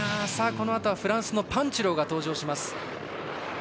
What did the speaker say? このあとはフランスのパンテュローが登場します。